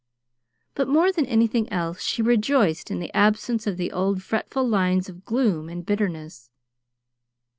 But more than anything else she rejoiced in the absence of the old fretful lines of gloom and bitterness.